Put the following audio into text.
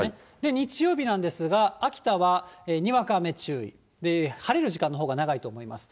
日曜日なんですが、秋田はにわか雨注意、晴れる時間のほうが長いと思います。